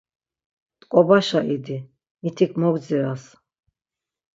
T̆ǩobaşa idi, mitik mo gdziras.